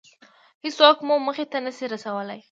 هېڅوک مو موخې ته نشي رسولی.